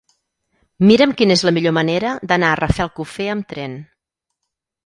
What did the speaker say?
Mira'm quina és la millor manera d'anar a Rafelcofer amb tren.